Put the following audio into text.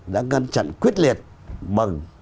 đã ngăn chặn quyết liệt bằng